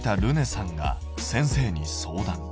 さんが先生に相談。